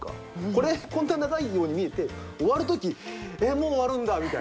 これこんな長いように見えて終わるときえっもう終わるんだみたいな。